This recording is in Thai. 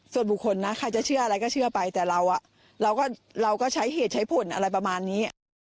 ส่วนบุคคลนะใครจะเชื่ออะไรก็เชื่อไปแต่เราก็ใช้เหตุใช้ผลอะไรประมาณนี้